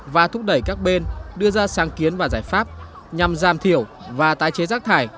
và thúc đẩy các bên đưa ra sáng kiến và giải pháp nhằm giảm thiểu và tái chế rác thải